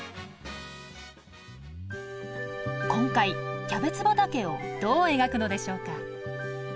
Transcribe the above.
今回キャベツ畑をどう描くのでしょうか？